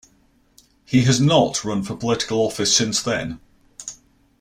He has not run for political office since then.